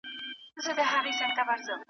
د امریکا په بهرني سیاست کې